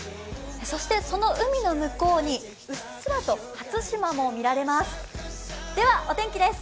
そしてその海の向こうにうっすらと初島も見られます。